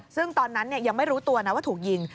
ซึ่งตอนนั้นยังไม่รู้ตัวนะว่าถูกยิง